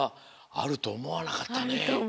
あるとおもわなかった。